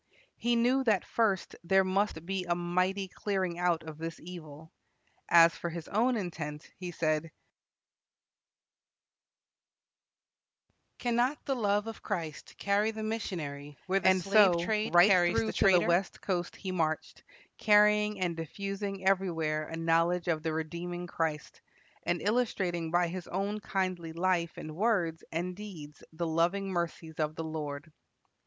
He knew that, first, there must be a mighty clearing out of this evil. As for his own intent, he said, "Cannot the love of Christ carry the missionary where the slave trade carries the trader?" And so, right through to the west coast he marched, carrying and diffusing everywhere a knowledge of the redeeming Christ, and illustrating by his own kindly life and words and deeds the loving mercies of the Lord.